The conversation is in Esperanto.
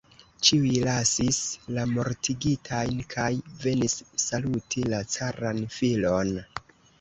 Ĉiuj lasis la mortigitajn kaj venis saluti la caran filon.